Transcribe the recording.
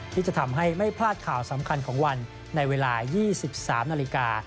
ที่จะทำให้ไม่พลาดข่าวสำคัญของวันในเวลา๒๓นาฬิกา